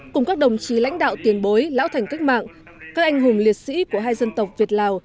cùng các đồng chí lãnh đạo tiền bối lão thành cách mạng các anh hùng liệt sĩ của hai dân tộc việt lào